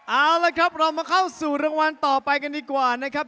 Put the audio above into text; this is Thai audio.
เอาละครับเรามาเข้าสู่รางวัลต่อไปกันดีกว่านะครับ